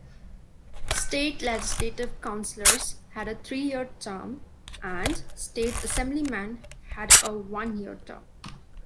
State Legislative Councilors had a three-year term and State Assemblymen had a one-year term.